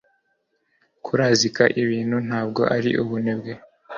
kurazika ibintu ntabwo ari ubunebwe